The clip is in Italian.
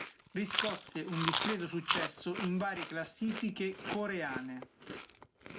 Riscosse un discreto successo in varie classifiche coreane.